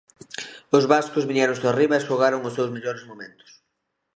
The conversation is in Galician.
Os vascos viñéronse arriba e xogaron os seus mellores momentos.